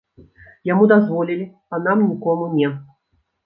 Яму дазволілі, а нам нікому не.